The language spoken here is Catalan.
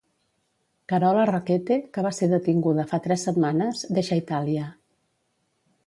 Carola Rakete, que va ser detinguda fa tres setmanes, deixa Itàlia.